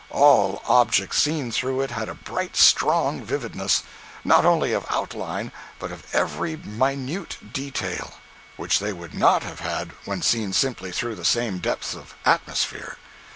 All objects seen through it had a bright, strong vividness, not only of outline, but of every minute detail, which they would not have had when seen simply through the same depth of atmosphere.